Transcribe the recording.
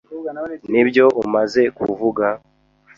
Nibyo umaze kuvuga?